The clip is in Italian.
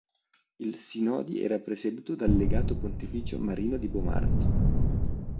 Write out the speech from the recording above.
Il sinodi era presieduto dal legato pontificio Marino di Bomarzo.